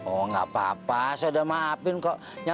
oh gak apa apa saudamak